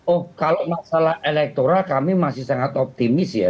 oh kalau masalah elektoral kami masih sangat optimis ya